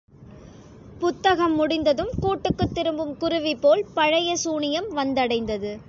புத்தகம் முடிந்ததும் கூட்டுக்குத் திரும்பும் குருவிபோல் பழைய சூனியம் வந்தடைந்தது.